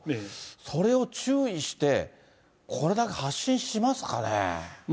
それを注意して、これだけ発進しますかね。